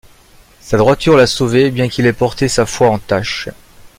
Sa droiture l'a sauvé, bien qu'il ait porté sa foi en Tash.